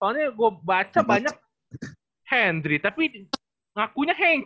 soalnya gue baca banyak hendry tapi ngakunya henky